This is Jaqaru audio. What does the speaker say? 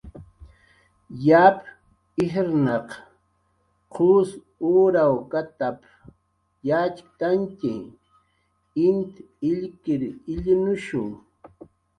"Yap ijrnaq qus urawkatap"" yatxktantx, int illkir illnushu "